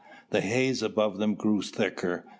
The haze above them grew thicker.